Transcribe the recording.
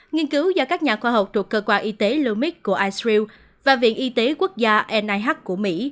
nghiên cứu do các nhà khoa học thuộc cơ quan y tế lumix của israel và viện y tế quốc gia nih của mỹ